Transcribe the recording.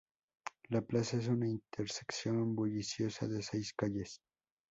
La plaza es una intersección bulliciosa de seis calles.